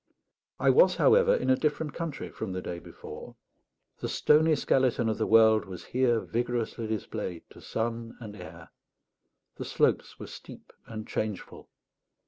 I was, however, in a different country from the day before. The stony skeleton of the world was here vigorously displayed to sun and air. The slopes were steep and changeful.